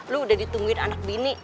lo udah ditungguin anak bini